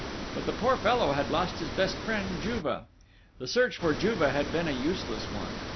But the poor fellow had lost his best friend Juve! The search for Juve had been a useless one.